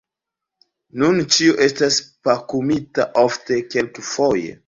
Nun ĉio estas pakumita, ofte kelkfoje!